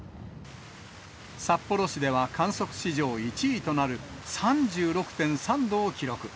札幌市では観測史上１位となる３６．３度を記録。